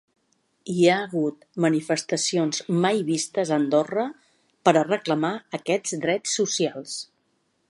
Hi ha hagut manifestacions mai vistes a Andorra per a reclamar aquests drets socials.